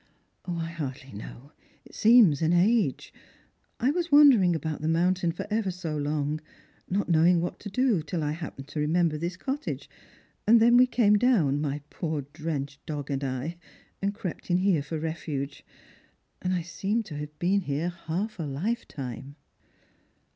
" I hardly know ; it seems an age. I was wandering about the mountain for ever so long, not knowing what to do, till I hap pened tiO remember this cottage, and then we came down, my poor drenched dog and I, and I crept in here for refuge. And I seem to have been here half a hfetime."